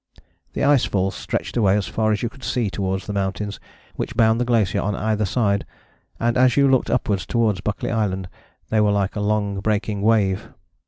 The ice falls stretched away as far as you could see towards the mountains which bound the glacier on either side, and as you looked upwards towards Buckley Island they were like a long breaking wave.